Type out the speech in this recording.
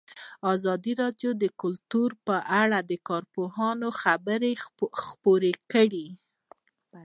ازادي راډیو د کلتور په اړه د کارپوهانو خبرې خپرې کړي.